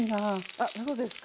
あっそうですか。